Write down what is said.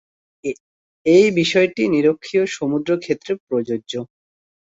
এই বিষয়টি নিরক্ষীয় সমুদ্র ক্ষেত্রে প্রযোজ্য।